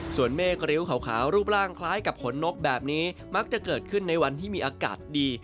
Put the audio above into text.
ส่วนเมฆริ้วขาวรูปร่างคล้ายกับขนนกแบบนี้มักจะเกิดขึ้นในวันที่มีอากาศดี